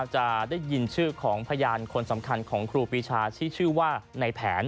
จะได้ยินชื่อของพยานคนสำคัญของครูปีชาที่ชื่อว่าในแผน